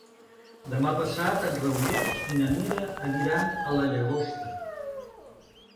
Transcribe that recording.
Demà passat en Rauric i na Mira aniran a la Llagosta.